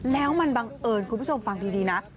แล้วมันบังเอิญคุณผู้ชมฟังดีนะ